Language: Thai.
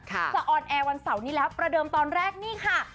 จะออนแอร์วันเสาร์นี้แล้วประเดิมตอนแรกนี่ค่ะ